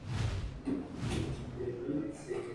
Europa, Asia y África.